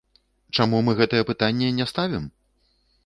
Чаму мы гэтае пытанне не ставім?